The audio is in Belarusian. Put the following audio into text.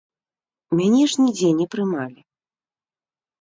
Мяне ж нідзе не прымалі!